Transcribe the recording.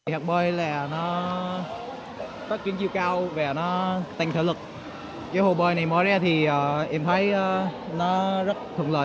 hồ bơi là nó có chuyến chiêu cao